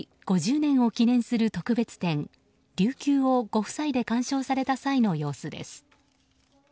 ５０年を記念する特別展「琉球」をご夫妻で鑑賞された際の様子です。